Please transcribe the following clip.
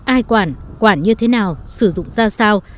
ai quản quản như thế nào sử dụng ra sao